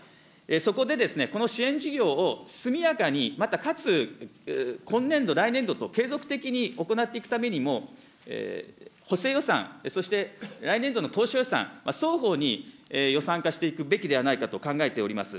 そこで、この支援事業を、速やかに、またかつ今年度、来年度と継続的に行っていくためにも、補正予算、そして来年度の当初予算、双方に予算化していくべきではないかと考えております。